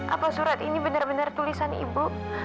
apa surat ini benar benar tulisan ibu